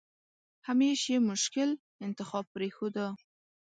همېش یې مشکل انتخاب پرېښوده.